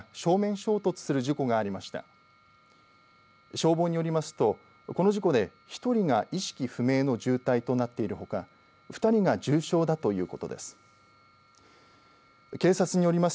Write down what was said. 消防によりますとこの事故で１人が意識不明の重体となっているほか２人が重傷だということです。